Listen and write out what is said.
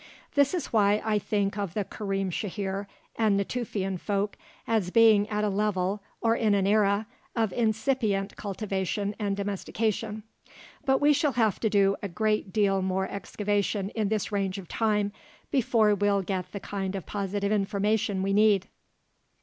This is why I think of the Karim Shahir and Natufian folk as being at a level, or in an era, of incipient cultivation and domestication. But we shall have to do a great deal more excavation in this range of time before we'll get the kind of positive information we need.